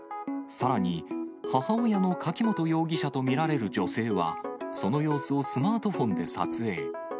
さらに、母親の柿本容疑者と見られる女性は、その様子をスマートフォンで撮影。